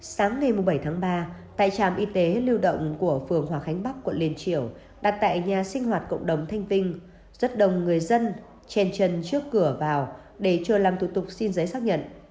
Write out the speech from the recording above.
sáng ngày bảy tháng ba tại trạm y tế lưu động của phường hòa khánh bắc quận liên triều đặt tại nhà sinh hoạt cộng đồng thanh vinh rất đông người dân chen chân trước cửa vào để chờ làm thủ tục xin giấy xác nhận